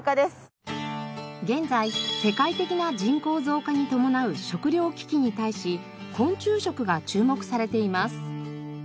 現在世界的な人口増加に伴う食糧危機に対し昆虫食が注目されています。